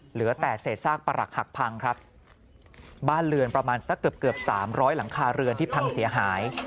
เหลือแต่เศษซากประหลักหักพังครับบ้านเรือนประมาณสักเกือบเกือบสามร้อยหลังคาเรือนที่พังเสียหาย